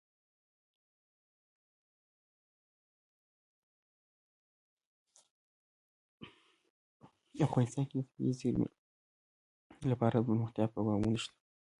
افغانستان کې د طبیعي زیرمې لپاره دپرمختیا پروګرامونه شته.